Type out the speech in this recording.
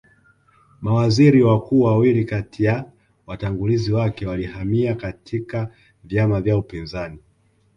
Mawaziri wakuu wawili kati ya watangulizi wake walihamia katika vyama vya upinzani